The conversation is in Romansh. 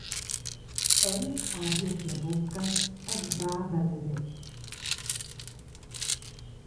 Ella ha aviert la bucca e sbaba levet.